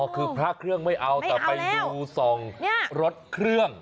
คือพระเครื่องไม่เอาแต่ไปดูส่องรถเครื่อง